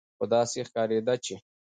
خو داسې ښکارېده چې